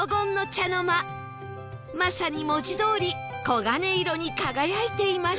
まさに文字どおり黄金色に輝いていました